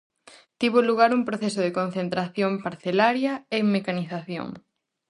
Tivo lugar un proceso de concentración parcelaria e mecanización.